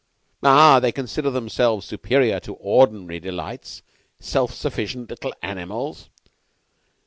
"Ah! They consider themselves superior to ordinary delights. Self sufficient little animals!